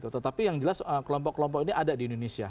tetapi yang jelas kelompok kelompok ini ada di indonesia